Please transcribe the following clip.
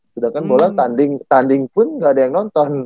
sedangkan bola tanding tanding pun nggak ada yang nonton